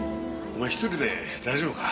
お前１人で大丈夫か？